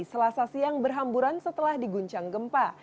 selasa siang berhamburan setelah diguncang gempa